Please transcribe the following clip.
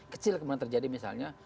kecil kemudian terjadi misalnya